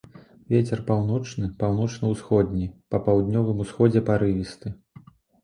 Вецер паўночны, паўночна-ўсходні, па паўднёвым усходзе парывісты.